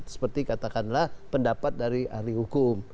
seperti katakanlah pendapat dari ahli hukum